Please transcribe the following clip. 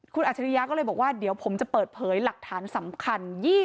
คุณอัจฉริยะก็เลยบอกว่าเดี๋ยวผมจะเปิดเผยหลักฐานสำคัญ